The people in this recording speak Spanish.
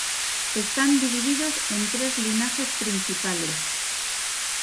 Están divididos en tres linajes principales.